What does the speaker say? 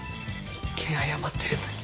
一見謝ってるのに。